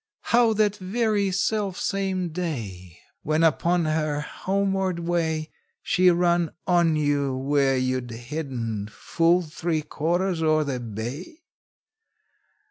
How that very self same day, When upon her homeward way, She run on you, where you'd hidden, full three quarters o'er the bay?